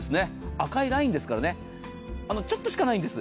赤いラインですからね、ちょっとしかないんです。